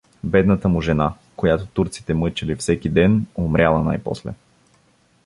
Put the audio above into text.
Бедната му жена, която турците мъчели всеки ден, умряла най-после.